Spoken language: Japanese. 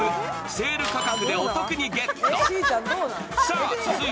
セール価格でお得にゲット。